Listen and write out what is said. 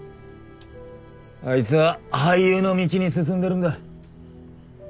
あいつは俳優の道に進んでるんだ。